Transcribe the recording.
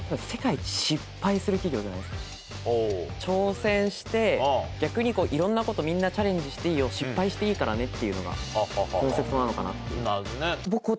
挑戦して逆にこういろんなことみんなチャレンジしていいよ失敗していいからねっていうのがコンセプトなのかなっていう。